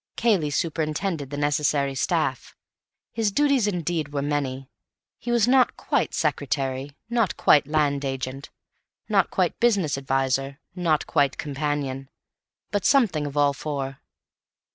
Cayley superintended the necessary staff. His duties, indeed, were many. He was not quite secretary, not quite land agent, not quite business adviser, not quite companion, but something of all four.